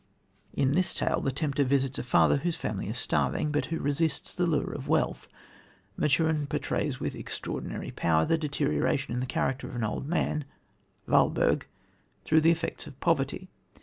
In this tale the tempter visits a father whose family is starving, but who resists the lure of wealth. Maturin portrays with extraordinary power the deterioration in the character of an old man Walberg, through the effects of poverty.